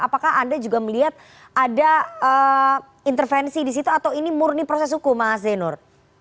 apakah anda juga melihat ada intervensi di situ atau ini murni proses hukum mas zainur